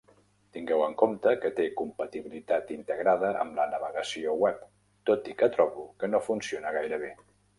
Tingueu en compte que té compatibilitat integrada amb la navegació web, tot i que trobo que no funciona gaire bé.